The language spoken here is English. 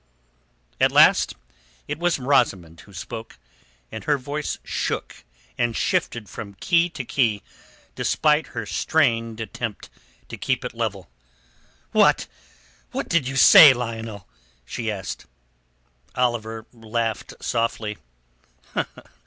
At last it was Rosamund who spoke, and her voice shook and shifted from key to key despite her strained attempt to keep it level. "What... what did you say, Lionel?" she asked. Oliver laughed softly.